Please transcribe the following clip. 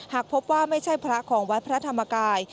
หากพบว่าไม่ใช่พระของวัดพระธรรมกาย